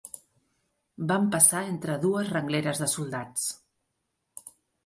Vam passar entre dues rengleres de soldats.